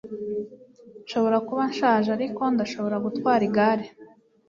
Nshobora kuba nshaje, ariko ndashobora gutwara igare.